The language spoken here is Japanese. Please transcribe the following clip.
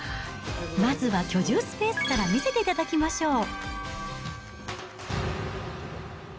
まずは居住スペースから見せていただきましょう。